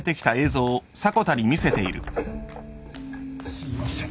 すいません。